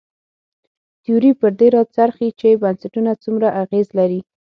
تیوري پر دې راڅرخي چې بنسټونه څومره اغېز لري.